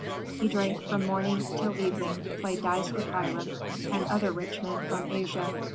He drank from morning till evening, played dice with Hiram and other rich men from Asia.